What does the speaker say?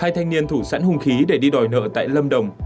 hai thanh niên thủ sẵn hùng khí để đi đòi nợ tại lâm đồng